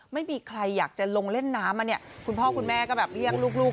ไม่มีใครอยากจะลงเล่นน้ำอ่ะเนี่ยคุณพ่อคุณแม่ก็แบบเรียกลูก